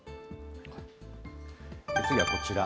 次はこちら。